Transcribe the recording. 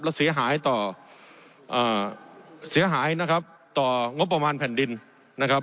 และเสียหายต่อเสียหายนะครับต่องบประมาณแผ่นดินนะครับ